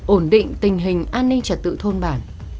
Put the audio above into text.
ổn định tình hình an ninh trật tự thôn bản